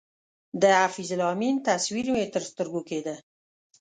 د حفیظ الله امین تصویر مې تر سترګو کېده.